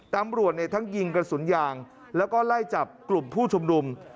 ตำรวจทั้งยิงกระสุนยางแล้วก็ไล่จับกลุ่มผู้ชุมนุม